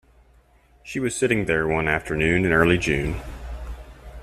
She was sitting there one afternoon in early June.